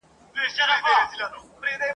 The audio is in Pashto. د شنبې په ورځ یوې سختي زلزلې ولړزاوه ..